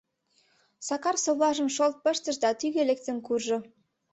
Сакар совлажым шолт пыштыш да тӱгӧ лектын куржо.